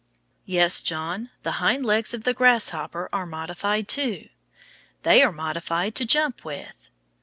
Yes, John, the hind legs of the grasshopper are modified too. They are modified to jump with.